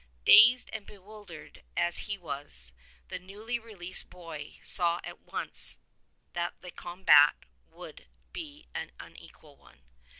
Dazed and bewildered as he was, the newly released boy saw at once that the combat would be an unequal one.